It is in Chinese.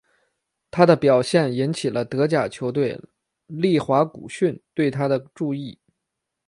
他的表现引起了德甲球队利华古逊对他的注意。